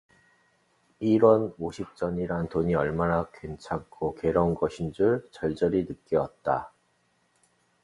일 원 오십 전이란 돈이 얼마나 괜찮고 괴로운 것인 줄 절절히 느끼었다